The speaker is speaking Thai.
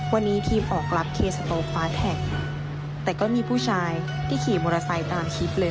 วันนี้ทีมออกรับเคสโตฟาสแท็กแต่ก็มีผู้ชายที่ขี่มอเตอร์ไซค์ตามคลิปเลย